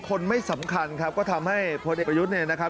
คนไม่สำคัญครับก็ทำให้พลเอกประยุทธ์เนี่ยนะครับ